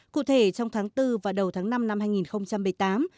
cụ thể trong tháng bốn và đầu tháng năm năm hai nghìn một mươi tám